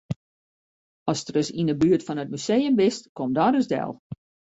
Ast ris yn 'e buert fan it museum bist, kom dan ris del.